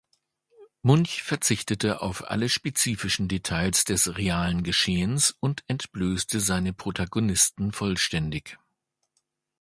Munch verzichtete auf alle spezifischen Details des realen Geschehens und entblößte seine Protagonisten vollständig.